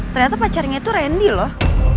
ternyata pacarnya itu randy loh